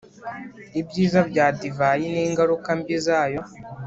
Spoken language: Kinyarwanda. Ibyiza bya divayi n’ingaruka mbi zayo